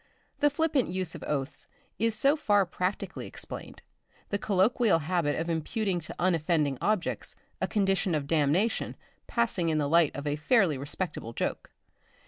The flippant use of oaths is so far practically explained; the colloquial habit of imputing to unoffending objects a condition of damnation passing in the light of a fairly respectable joke.